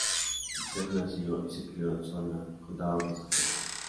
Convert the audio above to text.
Isak nació y se crio en Solna, Condado de Estocolmo.